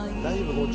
大丈夫？